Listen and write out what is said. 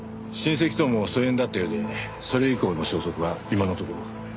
親戚とも疎遠だったようでそれ以降の消息は今のところ。